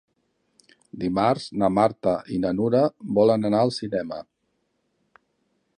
Dimarts na Marta i na Nura volen anar al cinema.